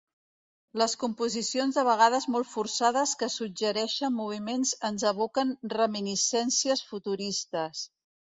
Les composicions de vegades molt forçades que suggereixen moviment ens evoquen reminiscències Futuristes.